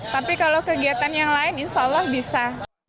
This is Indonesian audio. tapi kalau kegiatan yang lain insya allah bisa